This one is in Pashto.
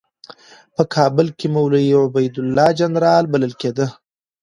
په کابل کې مولوي عبیدالله جنرال بلل کېده.